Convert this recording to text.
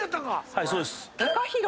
はいそうです。